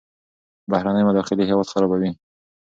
بهرنۍ مداخلې هیواد خرابوي.